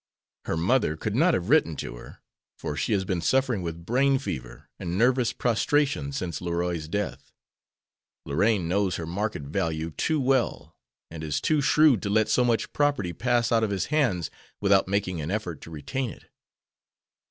Her mother could not have written to her, for she has been suffering with brain fever and nervous prostration since Leroy's death. Lorraine knows her market value too well, and is too shrewd to let so much property pass out of his hands without making an effort to retain it."